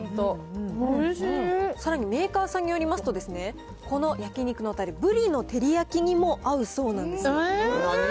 さらにメーカーさんによりますとですね、この焼肉のたれ、ブリの照り焼きにも合うそうなんですよ。